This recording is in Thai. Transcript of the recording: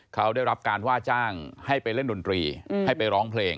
เขาได้รับการว่าจ้างให้ไปเล่นดนตรีให้ไปร้องเพลง